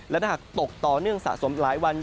และถ้าหากตกต่อเนื่องสะสมหลายวัน